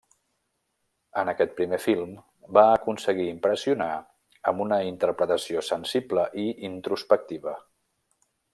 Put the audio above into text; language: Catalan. En aquest primer film, va aconseguir impressionar amb una interpretació sensible i introspectiva.